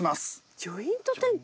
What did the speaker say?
ジョイントテント？